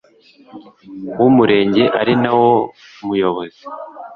w umurenge ari nawe muyobozi